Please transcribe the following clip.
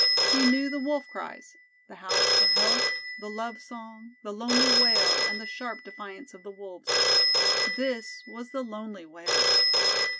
He knew the wolf cries the howl for help, the love song, the lonely wail, and the sharp defiance of the Wolves. This was the lonely wail.